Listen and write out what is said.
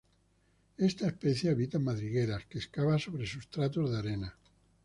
Esta especie habita en madrigueras, que excava sobre sustratos de arena.